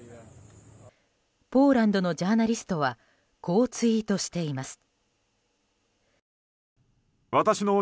ポーランドのジャーナリストはこうツイートしています。